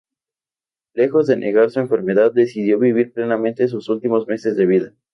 Lejos de negar su enfermedad, decidió vivir plenamente sus últimos meses de vida.